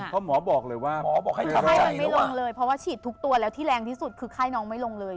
เพราะหมอบอกเลยว่าหมอบอกให้ทำให้มันไม่ลงเลยเพราะว่าฉีดทุกตัวแล้วที่แรงที่สุดคือไข้น้องไม่ลงเลย